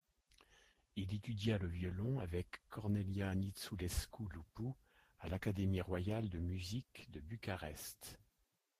Il étudia le violon avec Cornelia Nitzulescu-Lupu à l'Académie Royale de musique de Bucarest.